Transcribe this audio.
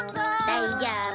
大丈夫。